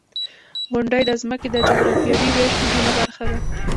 • غونډۍ د ځمکې د جغرافیوي ویش مهمه برخه ده.